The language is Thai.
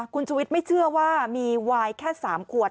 คุณชุวิตไม่เชื่อว่ามีวายแค่๓ขวด